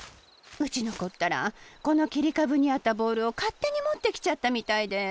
うちのこったらこのきりかぶにあったボールをかってにもってきちゃったみたいで。